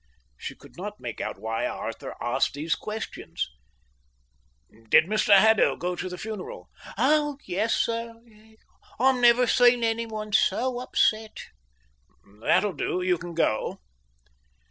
She could not make out why Arthur asked these questions. "Did Mr Haddo go to the funeral?" "Oh yes, sir. I've never seen anyone so upset." "That'll do. You can go."